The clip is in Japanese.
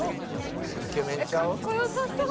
イケメンちゃう？